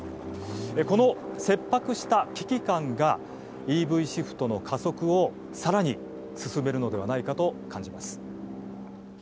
この切迫した危機感がＥＶシフトの加速をさらに進めるのではないかと感じます。